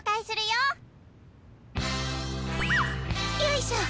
よいしょ。